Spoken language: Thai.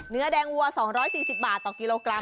เนื้อแดงวัว๒๔๐บาทต่อกิโลกรัม